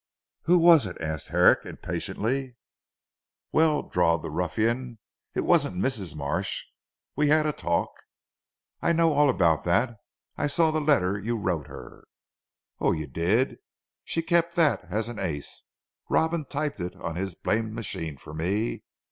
"Who was it?" asked Herrick impatiently. "Well," drawled the ruffian "it wasn't Mrs. Marsh. We had a talk " "I know all about that. I also saw the letter you wrote her." "Oh, you did. She kept that as an ace. Robin typed it on his blamed machine for me.